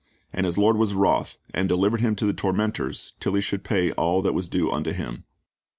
And his lord was wroth, and delivered him to the tormentors, till he should pay all that was due unto him."